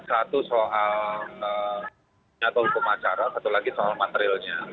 satu soal hukum acara satu lagi soal materialnya